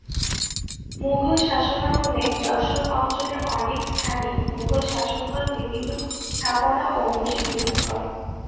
মুঘল শাসনামলে যশোর অঞ্চলের অনেক স্থানেই মুঘল শাসকগণ বিভিন্ন স্থাপনা ও মসজিদ নির্মাণ করেন।